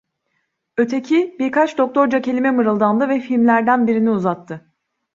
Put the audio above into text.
Öteki, birkaç doktorca kelime mırıldandı ve filmlerden birini uzattı.